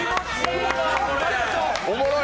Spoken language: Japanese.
おもろい！